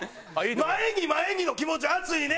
「前に前に」の気持ち熱いね！